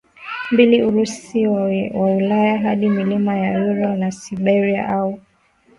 mbili Urusi wa Ulaya hadi milima ya Ural na Siberia au